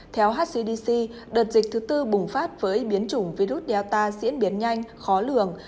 theo hcdc đợt dịch thứ tư bùng phát với biến chủng virus data diễn biến nhanh khó lường